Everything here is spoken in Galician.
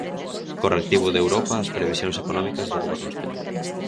Correctivo de Europa ás previsións económicas do Goberno español.